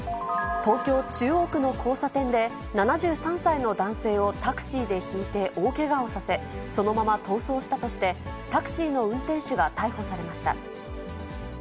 東京・中央区の交差点で、７３歳の男性をタクシーでひいて大けがをさせ、そのまま逃走したとして、タクシーの運転手が逮捕されました。